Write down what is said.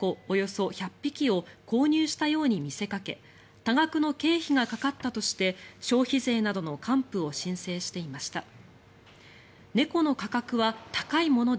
およそ１００匹を購入したように見せかけ多額の経費がかかったとして消費税などの還付を申請していました。